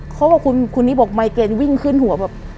เค้าพูดว่าคุณนี่บอกไมค์เกนวิ่งขึ้นหัว